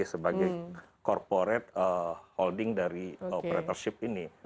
sebagai corporate holding dari operatorship ini